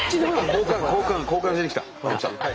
交換交換交換しにきた。